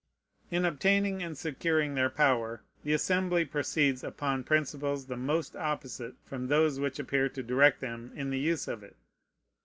In obtaining and securing their power, the Assembly proceeds upon principles the most opposite from those which appear to direct them in the use of it.